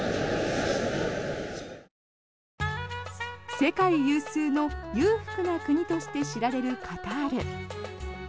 世界有数の裕福な国として知られるカタール。